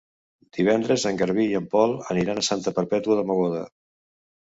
Divendres en Garbí i en Pol aniran a Santa Perpètua de Mogoda.